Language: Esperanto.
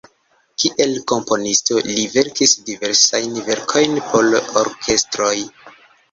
Kiel komponisto li verkis diversajn verkojn por orkestroj.